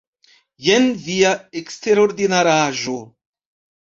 Jen via eksterordinaraĵo.